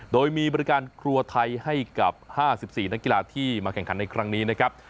โดยมีบริการครัวไทยให้กับ๕๔นักกีฬาที่มาแข่งขันในครั้งนี้นะครับ